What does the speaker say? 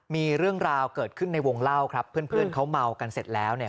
มีเรื่องราวเกิดขึ้นในวงเล่าครับเพื่อนเขาเมากันเสร็จแล้วเนี่ย